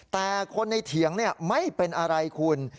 แต่คนในเถียงไม่เป็นอะไรคุณ